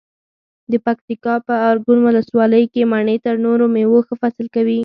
د پکتیکا په ارګون ولسوالۍ کې مڼې تر نورو مېوو ښه فصل کوي.